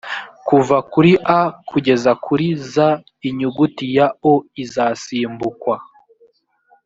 kuva kuri a kugeza kuri z inyuguti ya o izasimbukwa